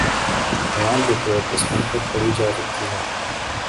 کمل report اس link پر پڑھی جا سکتی ہے ۔